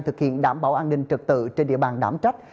thực hiện đảm bảo an ninh trật tự trên địa bàn đảm trách